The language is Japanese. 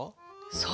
そう。